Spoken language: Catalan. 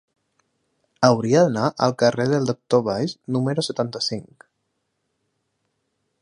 Hauria d'anar al carrer del Doctor Valls número setanta-cinc.